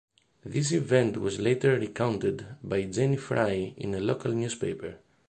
This event was later recounted by Jenny Frye in a local newspaper.